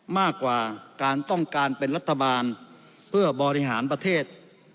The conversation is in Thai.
มากกว่าการต้องการเป็นรัฐบาลเพื่อบริหารประเทศ